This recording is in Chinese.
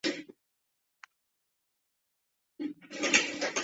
扮演者奥利维亚提到该角色确实是一个双性恋。